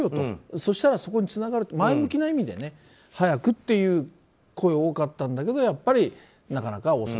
そうしたらそこにつながると前向きな意味で早くという声が多かったんだけどやっぱり、なかなか遅い。